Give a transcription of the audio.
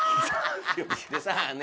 でさーね